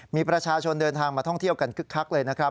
มีประชาชนเดินทางมาท่องเที่ยวกันคึกคักเลยนะครับ